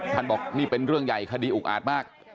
บอกนี่เป็นเรื่องใหญ่คดีอุกอาจมาก